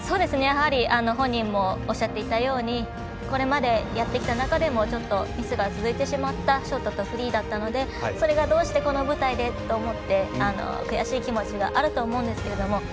やはり、本人もおっしゃっていたようにこれまでやってきた中でもミスが続いてしまったショートとフリーだったのでそれがどうしてこの舞台でと思って悔しい気持ちがあると思うんですけれども。